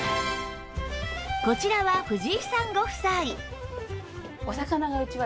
こちらは藤井さんご夫妻